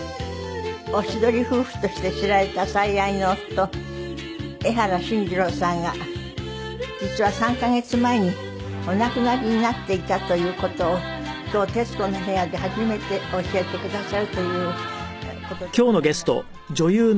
おしどり夫婦として知られた最愛の夫江原真二郎さんが実は３カ月前にお亡くなりになっていたという事を今日『徹子の部屋』で初めて教えてくださるという事でございます。